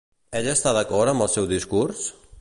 Ella està d'acord amb el seu discurs?